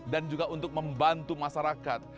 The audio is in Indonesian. dan juga untuk membantu masyarakat